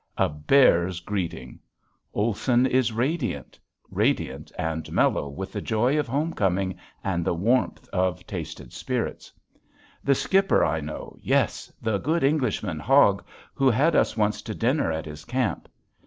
A bear's greeting! Olson is radiant, radiant and mellow with the joy of homecoming and the warmth of tasted spirits. The skipper I know, yes! the good Englishman, Hogg, who had us once to dinner at his camp.